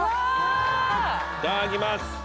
いただきます。